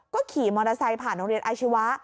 ก็ขี่มอเตอร์ไซค์ผ่านโรงเรียนอาชีวะ